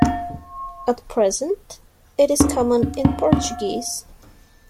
At present, it is common in Portuguese.